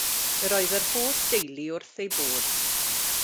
Yr oedd yr holl deulu wrth eu bodd.